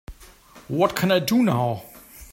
what can I do now?